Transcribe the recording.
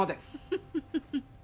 フフフフ。